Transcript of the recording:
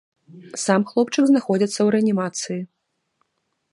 Сам хлопчык знаходзіцца ў рэанімацыі.